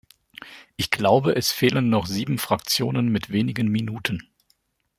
Ich glaube, es fehlen noch sieben Fraktionen mit wenigen Minuten.